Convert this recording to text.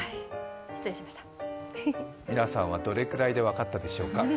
皆さんは、どれくらいで分かったでしょうか？